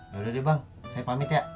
yaudah deh bang saya pamit ya